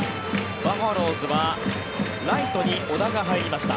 バファローズはライトに小田が入りました。